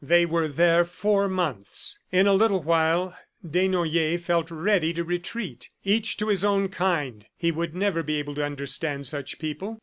They were there four months. In a little while Desnoyers felt ready to retreat. Each to his own kind; he would never be able to understand such people.